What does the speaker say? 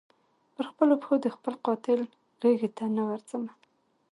پر خپلو پښو د خپل قاتل غیږي ته نه ورځمه